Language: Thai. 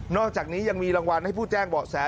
อกจากนี้ยังมีรางวัลให้ผู้แจ้งเบาะแส